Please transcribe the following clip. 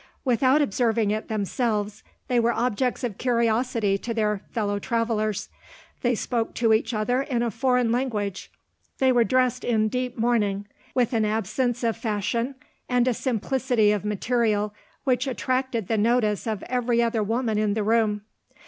Without observing it themselves, they were objects of curiosity to their fellow travellers. They spoke to each other in a foreign language. They were dressed in deep mourning with an absence of fashion and a simplicity of material which attracted the notice of every other woman in the room.